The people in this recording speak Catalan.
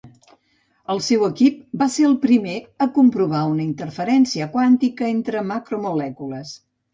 El seu equip va ser el primer a comprovar una interferència quàntica entre macromolècules.